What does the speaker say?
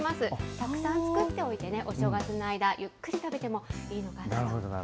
たくさん作っておいてね、お正月の間、ゆっくり食べてもいいのかなと。